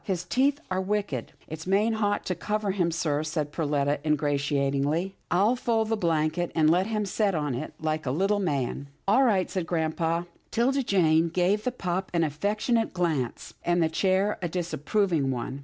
His teeth are wicked." " It's main hot to cover him, sir," said Perletta ingratiatingly. " I'll fold the blanket and let him set on it, like a little man." " All right," said grampa. 'Tilda Jane gave the pup an affectionate glance, and the chair a disapproving one.